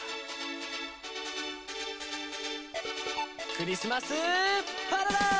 クリスマスパラダーイス！